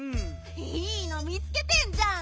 いいの見つけてんじゃん。